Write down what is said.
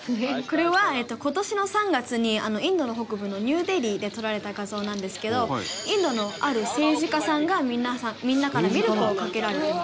「これは今年の３月にインドの北部のニューデリーで撮られた画像なんですけどインドのある政治家さんがみんなからミルクをかけられています」